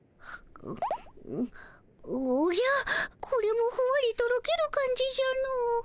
おじゃこれもふわりとろける感じじゃの。